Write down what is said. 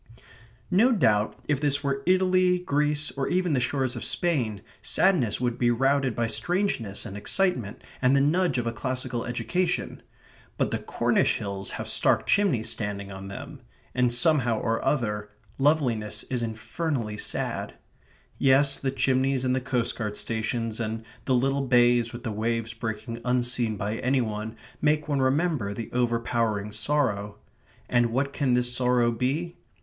No doubt if this were Italy, Greece, or even the shores of Spain, sadness would be routed by strangeness and excitement and the nudge of a classical education. But the Cornish hills have stark chimneys standing on them; and, somehow or other, loveliness is infernally sad. Yes, the chimneys and the coast guard stations and the little bays with the waves breaking unseen by any one make one remember the overpowering sorrow. And what can this sorrow be?